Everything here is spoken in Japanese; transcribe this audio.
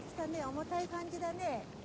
重たい感じだね。